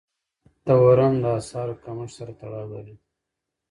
تورم د اسعارو کمښت سره تړاو لري.